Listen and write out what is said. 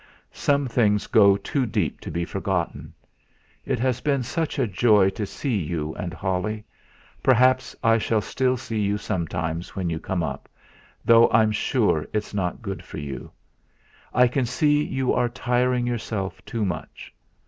Some things go too deep to be forgotten. It has been such a joy to see you and Holly. Perhaps I shall still see you sometimes when you come up, though I'm sure it's not good for you; I can see you are tiring yourself too much.